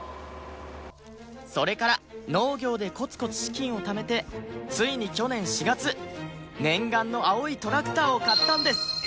それから農業でコツコツ資金をためてついに去年４月念願の青いトラクターを買ったんです